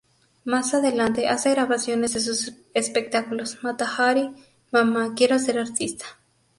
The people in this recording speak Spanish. Más adelante, hace grabaciones de sus espectáculos "Mata Hari", "¡Mamá, quiero ser artista!